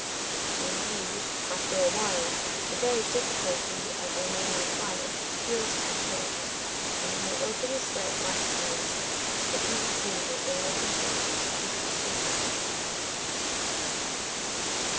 Indeed, after awhile, the very difficulty of remaining quiet appeals to the children and when they open the slip marked zero it can be seen that they are content to keep the secret.